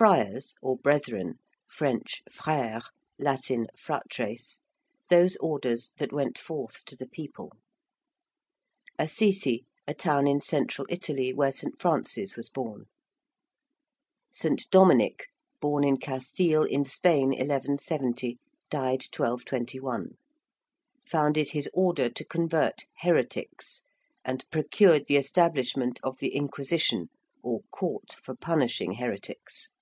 ~Friars~, or brethren (French frères, Latin fratres): those orders that went forth to the people. ~Assisi~: a town in Central Italy where St. Francis was born. ~St. Dominic~: born in Castile, in Spain, 1170, died 1221; founded his order to convert 'heretics,' and procured the establishment of the ~Inquisition~, or court for punishing heretics.